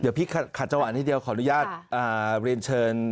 เดี๋ยวพี่ขาดจังหวะนิดเดียวขออนุญาตเรียนเชิญ